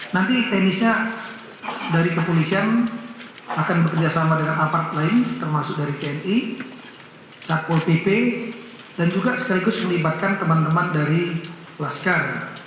nanti teknisnya dari kepolisian akan bekerjasama dengan apart lain termasuk dari tni satpol pp dan juga sekaligus melibatkan teman teman dari laskar